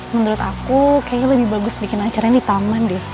menurut aku kayaknya lebih bagus bikin acara ini di taman deh